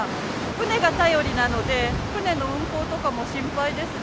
船が頼りなので、船の運航とかも心配ですね。